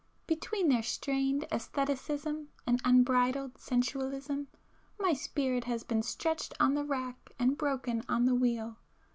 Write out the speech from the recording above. Between their strained æstheticism and unbridled sensualism, my spirit has been stretched on the rack and broken on the wheel